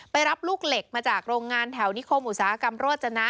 รับลูกเหล็กมาจากโรงงานแถวนิคมอุตสาหกรรมโรจนะ